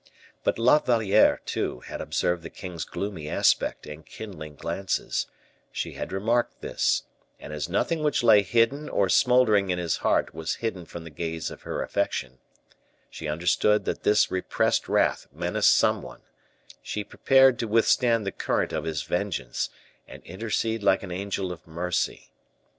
But La Valliere, too, had observed the king's gloomy aspect and kindling glances; she had remarked this and as nothing which lay hidden or smoldering in his heart was hidden from the gaze of her affection, she understood that this repressed wrath menaced some one; she prepared to withstand the current of his vengeance, and intercede like an angel of mercy.